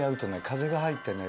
風が入ってね